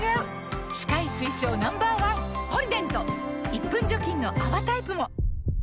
１分除菌の泡タイプも！